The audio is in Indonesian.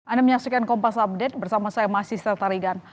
anemnya sekian kompas update bersama saya masih sertarigan